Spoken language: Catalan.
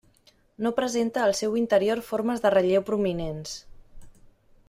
No presenta al seu interior formes de relleu prominents.